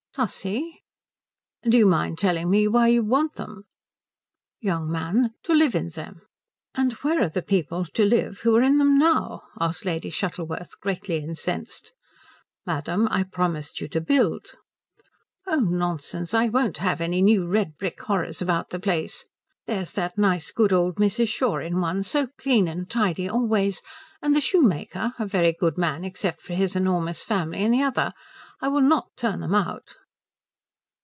"Tussie?" "Do you mind telling me why you want them?" "Young man, to live in them." "And where are the people to live who are in them now?" asked Lady Shuttleworth, greatly incensed. "Madam, I promised you to build." "Oh nonsense. I won't have new red brick horrors about the place. There's that nice good old Mrs. Shaw in one, so clean and tidy always, and the shoemaker, a very good man except for his enormous family, in the other. I will not turn them out."